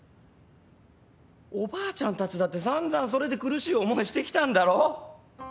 おばあちゃんたちだって散々それで苦しい思いしてきたんだろ。